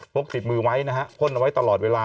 กติดมือไว้นะฮะพ่นเอาไว้ตลอดเวลา